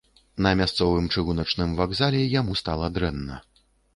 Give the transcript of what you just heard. На мясцовым чыгуначным вакзале яму стала дрэнна.